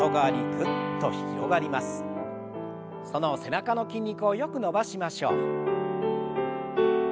その背中の筋肉をよく伸ばしましょう。